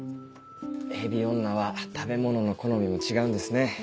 ヘビ女は食べ物の好みも違うんですね。